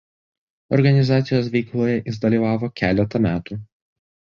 Organizacijos veikloje jis dalyvavo keletą metų.